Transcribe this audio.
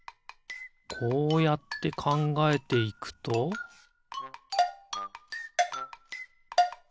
こうやってかんがえていくとピッ！